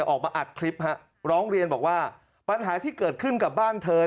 ออกมาอัดคลิปฮะร้องเรียนบอกว่าปัญหาที่เกิดขึ้นกับบ้านเธอ